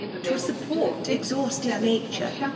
" To support exhausted nature.